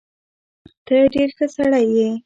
ته ډېر ښه سړی يې.